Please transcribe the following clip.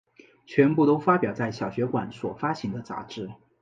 全部都发表在小学馆所发行的杂志。